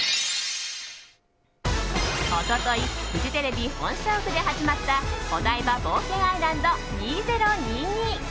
一昨日フジテレビ本社屋で始まったオダイバ冒険アイランド２０２２。